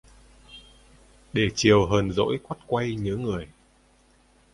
Để chiều hờn dỗi quắt quay nhớ người